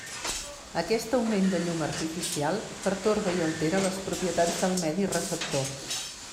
Aquest augment de llum artificial pertorba i altera les propietats del medi receptor.